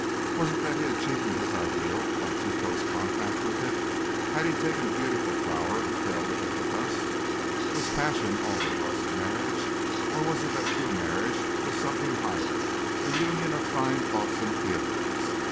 Was it that he had cheapened his ideal by too close contact with it? Had he taken a beautiful flower and trailed it in the dust? Was passion all there was to marriage? Or was it that true marriage was something higher a union of fine thoughts and feelings?